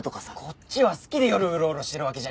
こっちは好きで夜ウロウロしてるわけじゃねえんだよ！